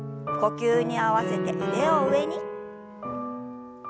呼吸に合わせて腕を上に。